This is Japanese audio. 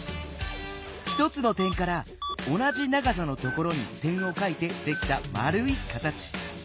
１つの点から同じ長さのところに点をかいてできたまるい形。